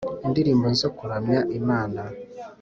Indirimbo zo kuramya Imana